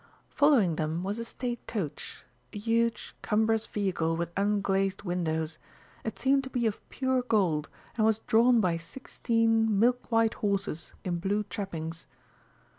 Following them was a State Coach, a huge, cumbrous vehicle with unglazed windows; it seemed to be of pure gold, and was drawn by sixteen milk white horses in blue trappings.